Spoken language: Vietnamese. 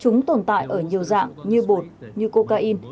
chúng tồn tại ở nhiều dạng như bột như cocaine